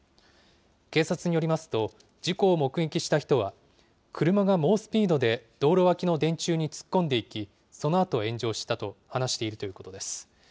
警察によりますと、事故を目撃した人は、車が猛スピードで道路脇の電柱に突っ込んでいき、そのあと炎上したと話しているということです。